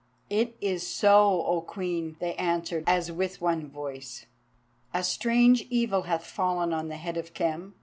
"It is so, O Queen," they answered, as with one voice. "A strange evil hath fallen on the head of Khem.